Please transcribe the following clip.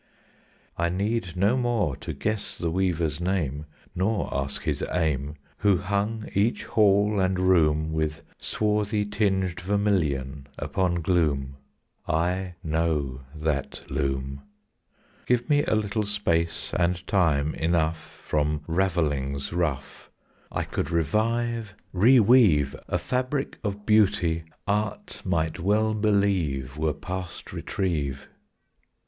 I need no more to guess the weaver's name, Nor ask his aim, Who hung each hall and room With swarthy tinged vermilion upon gloom; I know that loom. Give me a little space and time enough, From ravelings rough I could revive, reweave, A fabric of beauty art might well believe Were past retrieve.